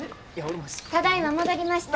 ただいま戻りました。